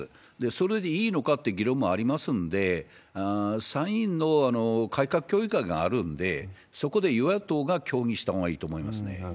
それでいいのかって議論もありますんで、参院の改革協議会があるんで、そこで与野党が協議したほうがいいと思いますね。